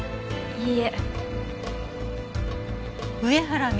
いいえ。